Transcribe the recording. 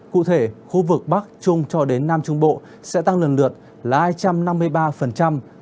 cụ thể khu vực bắc trung cho đến nam trung bộ sẽ tăng lần lượt là hai trăm năm mươi ba một trăm bốn mươi năm và hai trăm năm mươi bốn